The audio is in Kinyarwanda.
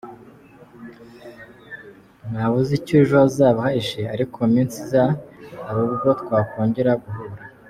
Ntawe uzi icyo ejo hazaza hahishe ariko mu minsi izaza hari ubwo twakongera guhura.